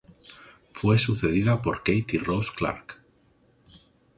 Fue sucedida por Katie Rose Clarke.